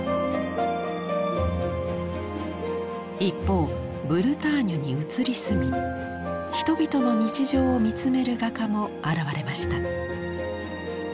一方ブルターニュに移り住み人々の日常を見つめる画家も現れました。